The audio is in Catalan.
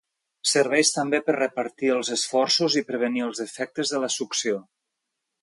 Serveix també per repartir els esforços i prevenir els efectes de la succió.